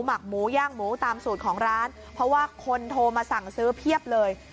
หมักหมูย่างหมูตามสูตรของร้านเพราะว่าคนโทรมาสั่งซื้อเพียบเลย